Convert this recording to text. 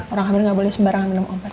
orang hamil nggak boleh sembarangan minum obat